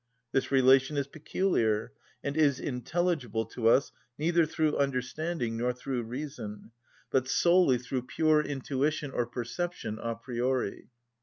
This relation is peculiar, and is intelligible to us neither through understanding nor through reason, but solely through pure intuition or perception a priori.